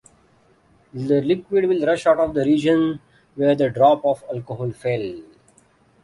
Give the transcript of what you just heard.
The liquid will rush out of the region where the drop of alcohol fell.